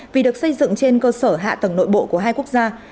vì được xây dựng trên cơ sở hạ tầng nội bộ của hai quốc gia